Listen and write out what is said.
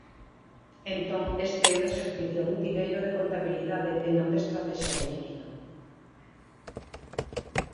Entón, este é un exercicio rutineiro de contabilidade e non de estratexia política.